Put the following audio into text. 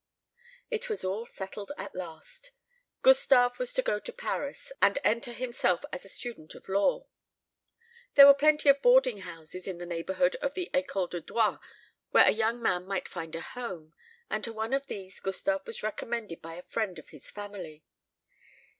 It was all settled at last. Gustave was to go to Paris, and enter himself as a student of law. There were plenty of boarding houses in the neighbourhood of the Ecole de Droit where a young man might find a home; and to one of these Gustave was recommended by a friend of his family.